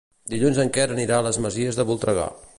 Dilluns en Quer anirà a les Masies de Voltregà.